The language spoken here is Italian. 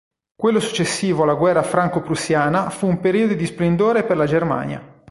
Quello successivo alla guerra franco-prussiana fu un periodo di splendore per la Germania.